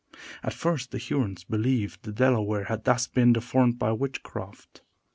At first the Hurons believed the Delaware had been thus deformed by witchcraft.